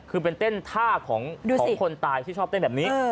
คือเป็นเต้นท่าของคนตายที่ชอบเต้นแบบนี้